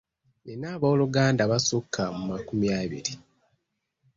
Nnina abooluganda abasukka mu makumi abiri.